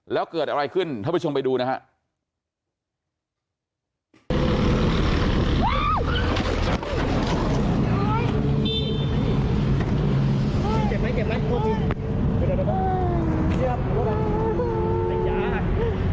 แล้วเกิดอะไรขึ้นท่านผู้ชมไปดูนะฮะ